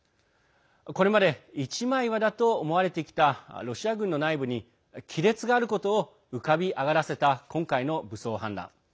これまで一枚岩だと思われてきたロシア軍の内部に亀裂があることを浮かび上がらせた今回の武装反乱。